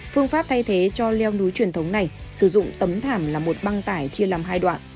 phương pháp thay thế cho leo núi truyền thống này sử dụng tấm thảm là một băng tải chia làm hai đoạn